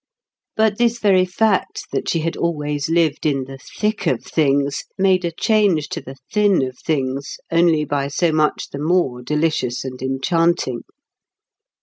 But this very fact that she had always lived in the Thick of Things made a change to the Thin of Things only by so much the more delicious and enchanting.